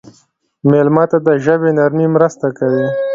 مېلمه ته د ژبې نرمي مرسته کوي.